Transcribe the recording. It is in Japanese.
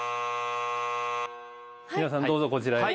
皆さんどうぞこちらへ。